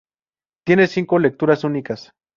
Tiene cinco lecturas únicas.